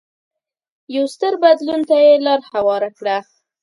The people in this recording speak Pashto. یو ستر بدلون ته یې لار هواره کړه.